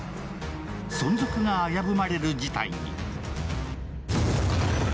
存続が危ぶまれる事態に。